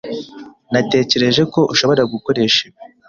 Natekereje ko ushobora gukoresha ibi.